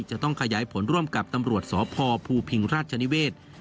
จะต้องขยายผลร่วมกับตำรวจสพภูพิงราชนิเวศ